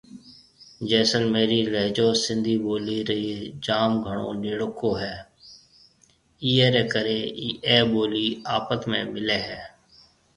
جيسلميري لهجيو سنڌي ٻولي ري جام گھڻو نَيڙڪو هيَ ايئي ري ڪري اَي ٻولي آپت ۾ ملي هيَ۔